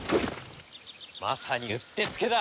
まさにうってつけだ！